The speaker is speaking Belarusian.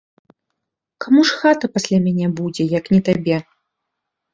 Каму ж хата пасля мяне будзе, як не табе?